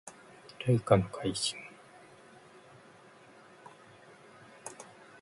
大化の改新